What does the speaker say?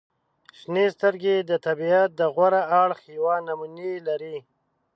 • شنې سترګې د طبیعت د غوره اړخ یوه نمونې لري.